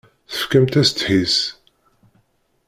Tefkamt-as ddḥis.